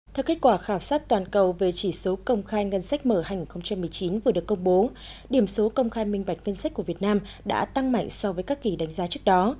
theo kết quả khảo sát toàn cầu về chỉ số công khai ngân sách mở hành một mươi chín vừa được công bố điểm số công khai minh vạch ngân sách của việt nam đã tăng mạnh so với các kỳ đánh giá trước đó